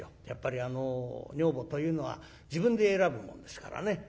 やっぱり女房というのは自分で選ぶもんですからね。